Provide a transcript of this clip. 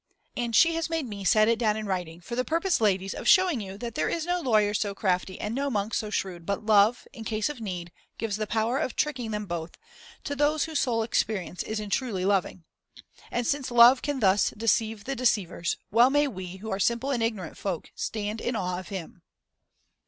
L. And she has made me here set it down in writing, for the purpose, ladies, of showing you that there is no lawyer so crafty and no monk so shrewd, but love, in case of need, gives the power of tricking them both, to those whose sole experience is in truly loving. And since love can thus deceive the deceivers, well may we, who are simple and ignorant folk, stand in awe of him.